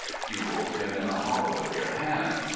You hold him in the hollow of your hand.